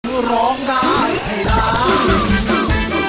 คือร้องได้ให้ร้าน